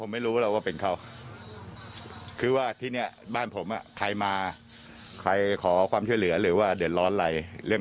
ไม่ได้มาด้วยกันรู้สึกที่ตามดู